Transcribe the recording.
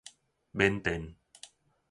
緬甸